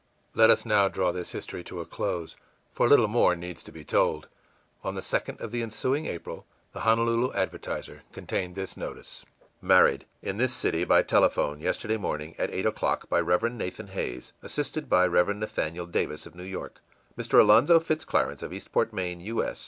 î Let us now draw this history to a close, for little more needs to be told. On the 2d of the ensuing April, the Honolulu Advertiser contained this notice: MARRIED. In this city, by telephone, yesterday morning, at eight o'clock, by Rev. Nathan Hays, assisted by Rev. Nathaniel Davis, of New York, Mr. Alonzo Fitz Clarence, of Eastport, Maine, U. S.